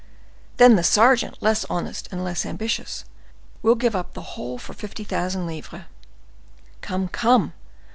Then the sergeant, less honest and less ambitious, will give up the whole for fifty thousand livres. Come, come!